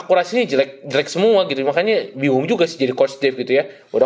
cuma christian james sama yuda